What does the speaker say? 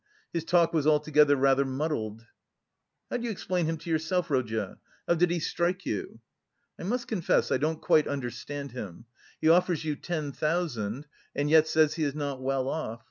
His talk was altogether rather muddled." "How do you explain him to yourself, Rodya? How did he strike you?" "I must confess I don't quite understand him. He offers you ten thousand, and yet says he is not well off.